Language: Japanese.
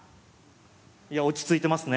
いや落ち着いてますね。